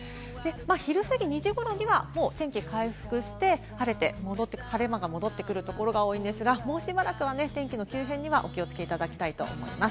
昼すぎ２時頃にはもう天気が回復して晴れ間が戻ってくるところが多いですが、もうしばらくは天気の急変にはお気をつけいただきたいと思います。